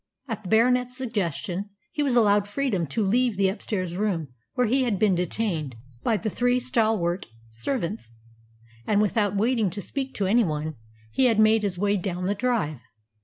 At the Baronet's suggestion, he was allowed freedom to leave the upstairs room where he had been detained by the three stalwart servants; and, without waiting to speak to any one, he had made his way down the drive.